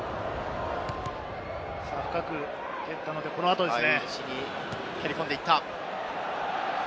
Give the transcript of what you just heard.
深く切ったので、この後ですね。